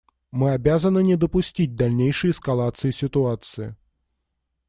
Мы обязаны не допустить дальнейшей эскалации ситуации.